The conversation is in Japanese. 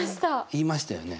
言いましたよね？